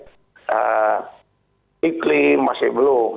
karena iklim masih belum